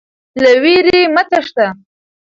له ویرې مه تښته.